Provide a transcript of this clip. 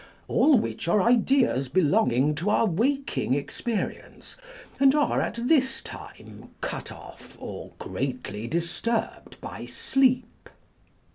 all which are ideas belonging to our waking ex perience, and are at this time cut off or greatly disturbed by sleep.